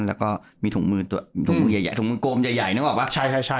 แล้วก็มีถุงมือตัวมีถุงมือใหญ่ใหญ่ถุงมือโกมใหญ่ใหญ่นึกออกปะใช่ใช่ใช่